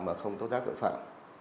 và không tố tác tội phạm